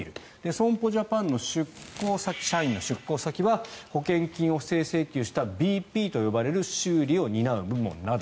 損保ジャパンの出向先は保険金を不正請求したＢＰといわれる修理を担う部門など。